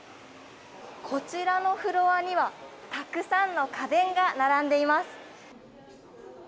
こちらのフロアには、たくさんの家電が並んでいます。